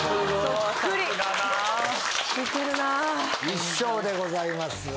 １笑でございます。